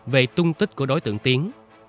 về tung tích của đối tượng tiến